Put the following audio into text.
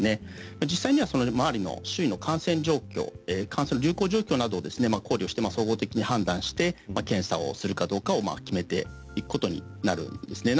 実際には周囲の感染状況感染の流行状況などを考慮して総合的に判断して検査をして決めていくことになるんですね。